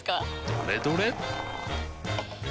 どれどれっ！